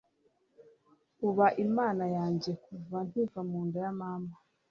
uba Imana yanjye kuva nkiva mu nda ya mama